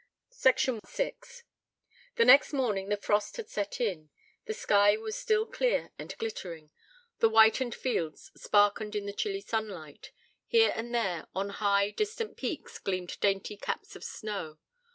VI The next morning the frost had set in. The sky was still clear and glittering: the whitened fields sparkled in the chilly sunlight: here and there, on high, distant peaks, gleamed dainty caps of snow.